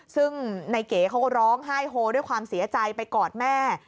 ซึ่งในเก๋เขาก็ร้องไห้โฮด้วยความเสียใจไปกอดแม่